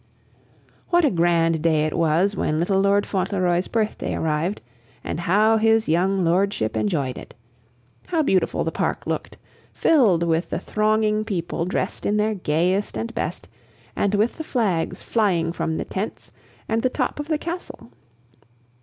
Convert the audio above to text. What a grand day it was when little Lord Fauntleroy's birthday arrived, and how his young lordship enjoyed it! How beautiful the park looked, filled with the thronging people dressed in their gayest and best, and with the flags flying from the tents and the top of the Castle!